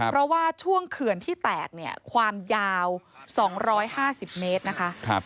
เพราะว่าช่วงเขื่อนที่แตกความยาว๒๕๐เมตร